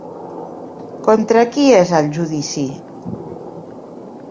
Contra qui és el judici?